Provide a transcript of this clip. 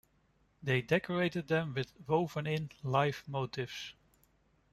They decorated them with woven-in life motifs.